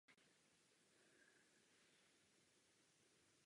Základy a stopy po těchto budovách jsou i dnes jasně viditelné.